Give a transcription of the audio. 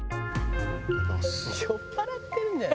いただきます。